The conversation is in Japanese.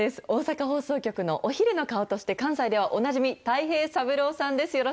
大阪放送局のお昼の顔として関西ではおなじみ、大平サブローさんです。